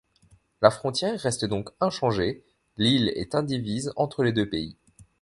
La frontière reste donc inchangée, l'île est indivise entre les deux pays.